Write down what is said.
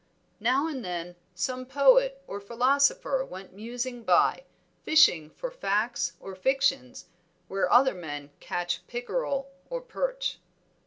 Now and then some poet or philosopher went musing by, fishing for facts or fictions, where other men catch pickerel or perch.